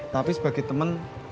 tapi sebagai temen